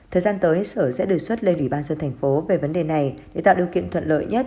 thời gian tới sở sẽ đề xuất lên ủy ban dân thành phố về vấn đề này để tạo điều kiện thuận lợi nhất